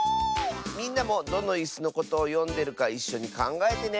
みんなもどのいすのことをよんでるかいっしょにかんがえてね！